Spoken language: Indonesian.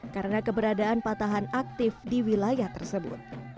karena keberadaan patahan aktif di wilayah tersebut